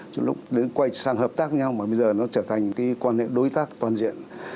từ lúc quay sang hợp tác với nhau mà bây giờ nó trở thành quan hệ đối tác toàn bộ